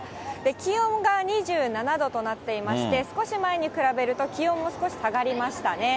気温が２７度となっていまして、少し前に比べると、気温も少し下がりましたね。